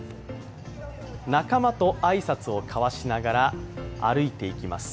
仲間と挨拶を交わしながら歩いていきます。